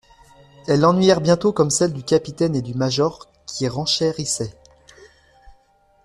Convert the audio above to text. Elles l'ennuyèrent bientôt comme celles du capitaine et du major qui renchérissaient.